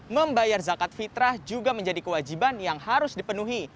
membayar zakat fitrah juga menjadi kewajiban yang harus dipenuhi